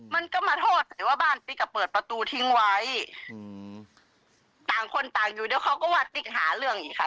มันก็มาโทษแต่ว่าบ้านติ๊กอ่ะเปิดประตูทิ้งไว้อืมต่างคนต่างอยู่เดี๋ยวเขาก็ว่าติ๊กหาเรื่องอีกค่ะ